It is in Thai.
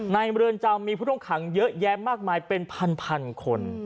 เรือนจำมีผู้ต้องขังเยอะแยะมากมายเป็นพันคน